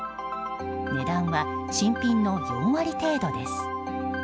値段は新品の４割程度です。